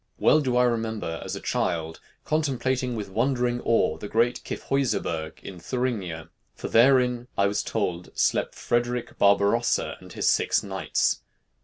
Well do I remember, as a child, contemplating with wondering awe the great Kyffhäuserberg in Thuringia, for therein, I was told, slept Frederic Barbarossa and his six knights.